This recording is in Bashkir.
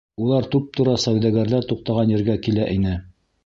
Улар туп-тура сауҙагәрҙәр туҡтаған ергә килә ине.